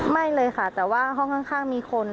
ไม่เลยค่ะแต่ว่าห้องข้างมีคน